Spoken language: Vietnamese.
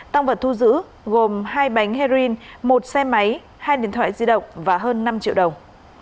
tăng vật thu giữ gồm hai bánh heroin một xe máy hai điện thoại di động và hơn năm triệu đồng